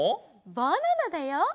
バナナだよ！